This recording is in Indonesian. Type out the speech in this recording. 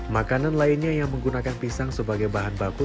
makanan lainnya yang menggunakan pisang sebagai bahan baku